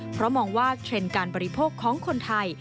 เพราะมองว่าเทรนด์การบริโภคของคนไทย